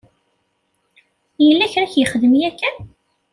Yella kra i k-xedmeɣ yakan?